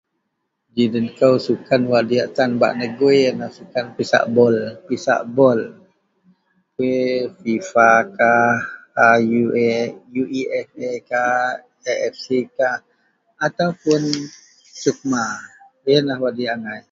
Ji den kou sukan wak diyak tan negui iyenlah sukan pisak bol pisak bol FIFA kah RUEFA kah UEFA kah AFC kah atau SUKMA iyenlah wak diyak angai.